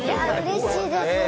うれしいです。